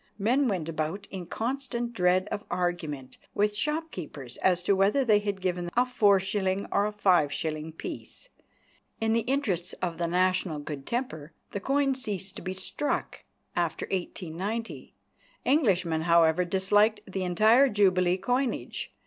Men went about in constant dread of argument with shopkeepers as to whether they had given them a four shilling or a five shilling piece. In the interests of the national good temper the coin ceased to be struck after 1890 Englishmen, however, disliked the entire Jubilee coinage.